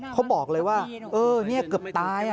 เขาบอกเลยว่าเออนี่เกือบตาย